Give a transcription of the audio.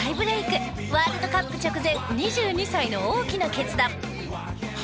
ワールドカップ直前２２歳の大きな決断